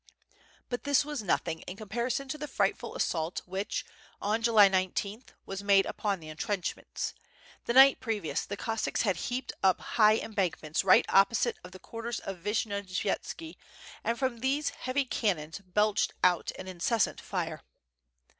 But this was nothing in comparison to the frightful assaiilt which, on July 19th, was made upon the intrenchments. The night previous the Cossacks had heaped up high embank ments right opposite the quarters of Vishnyovyetski and from these heavy cannons belched out an incessant fire.